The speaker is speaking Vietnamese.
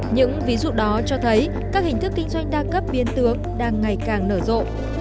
những ví dụ đó cho thấy các hình thức kinh doanh đa cấp biến tướng đang ngày càng nở rộ